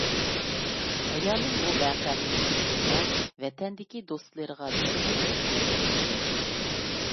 ئايالىم بۇ ۋەقەنى تېلېفوندا ۋەتەندىكى دوستلىرىغا بىرمۇبىر يەتكۈزدى.